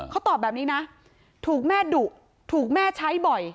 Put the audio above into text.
เขาตอบแบบนี้นะถูกแม่ดุถูกแม่ใช้บ่อย